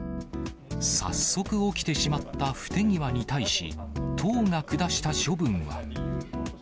早速起きてしまった不手際に対し、党が下した処分は。